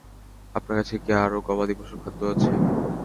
আপনার কাছে কী আরও গবাদি পশুর খাদ্য আছে?